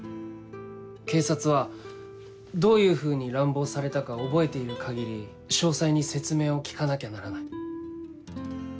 警察はどういうふうに乱暴されたか覚えている限り詳細に説明を聞かなきゃならない。